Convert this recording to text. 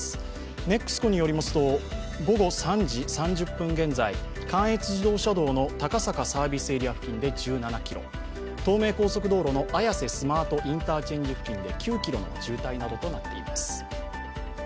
ＮＥＸＣＯによりますと午後３時３０分現在、関越自動車道の高坂サービスエリア付近で１７ｋｍ、東名高速道路の綾瀬スマートインターチェンジ付近で９ｋｍの渋滞となっています。